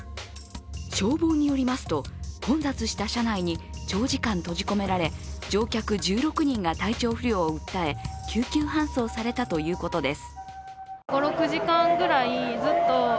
消防によりますと、混雑した車内に長時間閉じ込められ、乗客１６人が体調不良を訴え、救急搬送されたということです。